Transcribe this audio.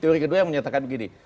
teori kedua yang menyatakan begini